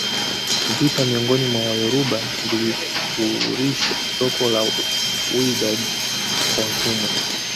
vita miongoni mwa Wayoruba vilifurisha soko la Whydah kwa watumwa